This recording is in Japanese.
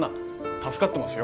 助かってますよ。